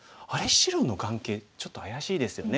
白の眼形ちょっと怪しいですよね。